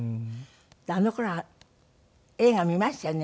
あの頃は映画見ましたよね